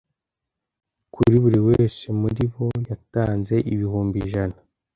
Kuri buri wese muri bo yatanze ibihumbi ijana